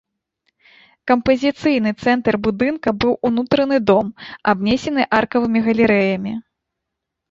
Кампазіцыйны цэнтр будынка быў унутраны дом, абнесены аркавымі галерэямі.